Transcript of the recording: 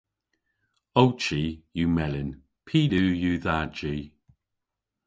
Ow chi yw melyn. Py liw yw dha ji?